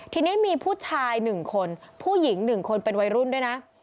ทีนี้มีผู้ชาย๑คนผู้หญิง๑คนเป็นวัยรุ่นด้วยนะ